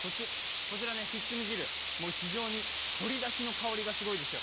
こちらひっつみ汁、非常に鶏だしの香りがすごいですよ。